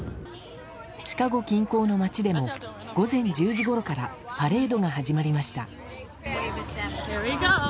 シカゴ近郊の街でも午前１０時ごろからパレードが始まりました。